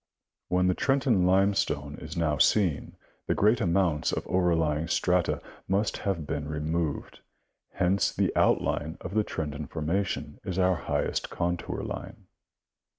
Where the Trenton limestone is now seen, the greatest amount of overlying strata must have been removed ; hence the outline of the Trenton formation is our highest contour line.